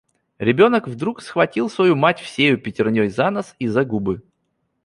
Ребенок вдруг схватил свою мать всею пятерней за нос и за губы.